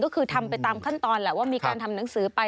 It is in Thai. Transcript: ก็คือทำไปตามขั้นตอนแหละว่ามีการทำหนังสือไป